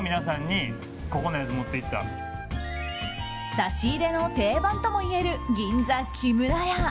差し入れの定番ともいえる銀座木村家。